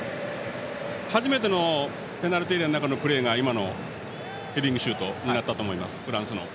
初めてのペナルティーエリアの中のフランスのプレーが今のヘディングシュートだったと思います。